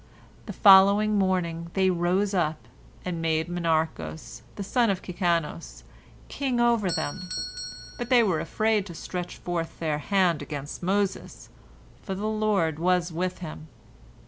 The following morning they rose up and made Monarchos, the son of Kikanos, king over them, but they were afraid to stretch forth their hand against Moses, for the Lord was with him.